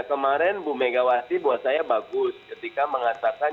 kemarin bu megawati buat saya bagus ketika mengatakan